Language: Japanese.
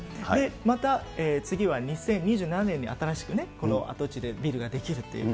また、次は２０２７年に新しくね、この跡地でビルが出来るっていうね。